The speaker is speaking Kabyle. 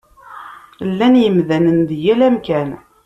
Llan yemdanen di yal amkan.